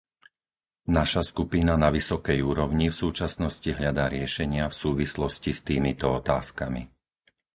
Naša skupina na vysokej úrovni v súčasnosti hľadá riešenia v súvislosti s týmito otázkami.